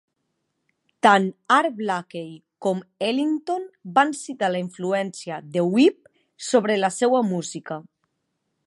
Tant Art Blakey com Ellington van citar la influència de Webb sobre la seva música.